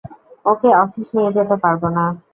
ওকে office নিয়ে যেতে পারব না।